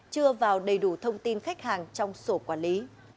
chưa vào đầy đủ thông tin khách hàng trong sổ quản lý